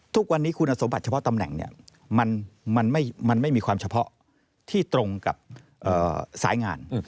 ทุกวันนี้คุณสมบัติเฉพาะตำแหน่งมันไม่มีความเฉพาะที่ตรงกับสายงาน